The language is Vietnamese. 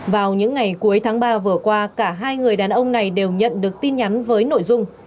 vào những ngày cuối tháng ba vừa qua cả hai người đàn ông này đều nhận được tin nhắn với nội dung